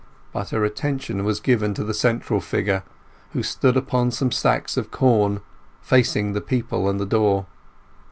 But her attention was given to the central figure, who stood upon some sacks of corn, facing the people and the door.